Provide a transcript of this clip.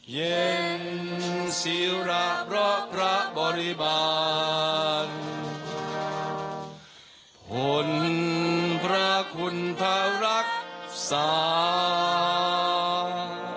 เวรสีระเพราะพระบริบาลภวงเทกฐานพระกษาไสมนตราคุณทรักษาบนาน